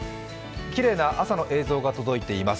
きれいな朝の映像が届いています。